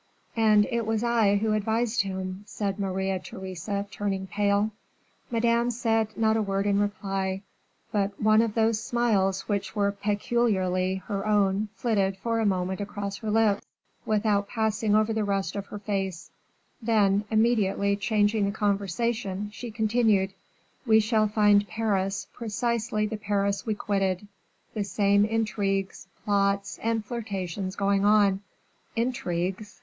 "And it was I who advised him," said Maria Theresa, turning pale. Madame said not a word in reply; but one of those smiles which were peculiarly her own flitted for a moment across her lips, without passing over the rest of her face; then, immediately changing the conversation, she continued, "We shall find Paris precisely the Paris we quitted; the same intrigues, plots, and flirtations going on." "Intrigues!